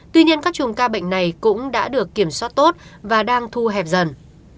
tuy nhiên các chùm ca bệnh này cũng đã được kiểm soát tốt và đang thu hẹp dần